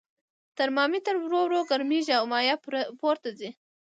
ترمامتر ورو ورو ګرمیږي او مایع پورته ځي.